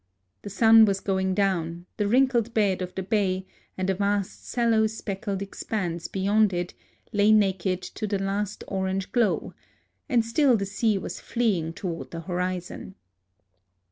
The sun was going down ; the wrinkled bed of the bay, and a vast sallow speckled expanse be yond it, lay naked to the last orange glow; and still the sea was fleeing toward the hori zon.